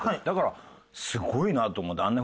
だからすごいなと思って。